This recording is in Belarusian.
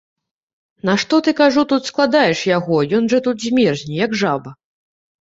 На што ты, кажу, тут складаеш яго, ён жа тут змерзне, як жаба.